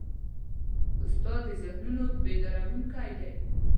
استاد د ذهنونو بیدارونکی دی.